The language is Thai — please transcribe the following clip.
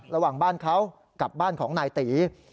ระหว่างบ้านเขากับบ้านของนายตี